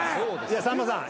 いやさんまさん